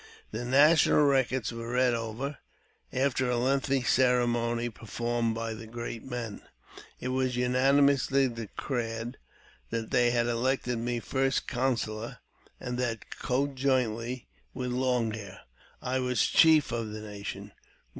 The national records were read over, and, after a lengthy ceremony performed by the great men, it was unanimously declared that they had elected me First Counsellor, and that, conjointly with Long 222 AUTOBIOGRAPHY OF Hair, I was head chief of the nation.